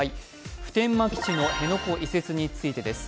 普天間基地の辺野古移設についてです。